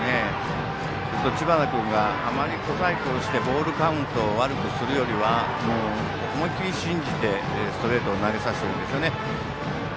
知花君があまり小細工をしてボールカウントを悪くするよりは思い切り信じてストレートを投げさせているんですよね。